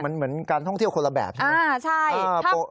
มันเหมือนการท่องเที่ยวคนละแบบใช่ไหม